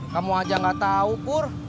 kamu aja gak tahu kur